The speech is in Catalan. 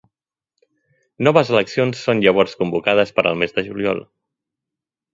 Noves eleccions són llavors convocades per al mes de juliol.